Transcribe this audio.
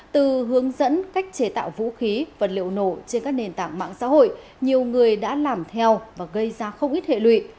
từ hướng dẫn cách chế tạo vũ khí vật liệu nổ trên các nền tảng mạng xã hội nhiều người đã làm theo và gây ra không ít hệ lụy